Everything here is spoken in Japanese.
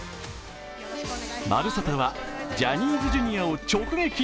「まるサタ」はジャニーズＪｒ．を直撃。